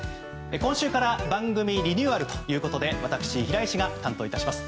今週から番組リニューアルということで私、平石が担当いたします。